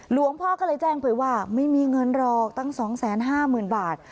หลวงพ่อก็เลยแจ้งไปว่าไม่มีเงินหรอกตั้งสองแสนห้าหมื่นบาท